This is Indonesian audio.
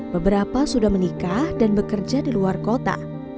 beberapa sudah menikah dan bekerja di luar kota